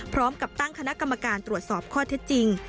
พร้อมกับตั้งคณะกรรมการตรวจสอบข้อเท็จจริง